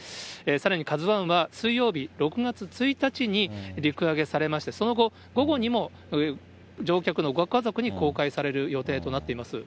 さらにＫＡＺＵＩは水曜日６月１日に陸揚げされまして、その後、午後にも乗客のご家族に公開される予定となっています。